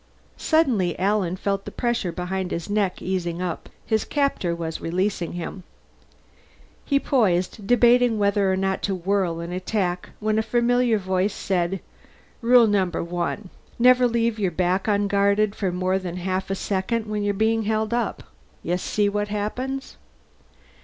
Suddenly Alan felt the pressure behind his neck easing up. His captor was releasing him. He poised, debating whether or not to whirl and attack, when a familiar voice said, "Rule Number One: never leave your back unguarded for more than half a second when you're being held up. You see what happens."